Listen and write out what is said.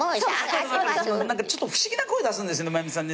何かちょっと不思議な声出すんですよね真弓さん